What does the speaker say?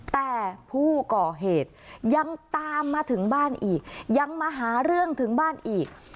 แต่ผู้ก่อเหตุยังตามมาถึงบ้านอีกยังมาหาเรื่องถึงบ้านอีก